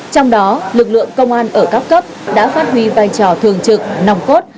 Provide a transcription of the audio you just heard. trong đó lực lượng công an ở các cấp đã phát huy vai trò thường trực nòng cốt